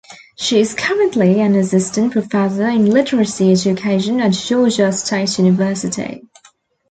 She is currently an assistant professor in literacy education at Georgia State University.